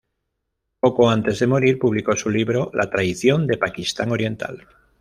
Poco antes de morir publicó su libro "La traición de Pakistán Oriental".